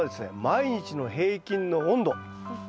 毎日の平均の温度。